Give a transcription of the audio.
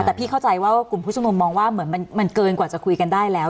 แต่พี่เข้าใจว่ากลุ่มผู้ชมนุมมองว่าเหมือนมันเกินกว่าจะคุยกันได้แล้ว